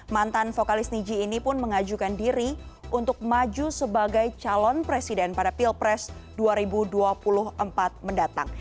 mantan vokalis niji ini pun mengajukan diri untuk maju sebagai calon presiden pada pilpres dua ribu dua puluh empat mendatang